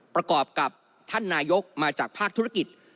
ประกอบกับท่านนายกมาจากภาคธุรกิจ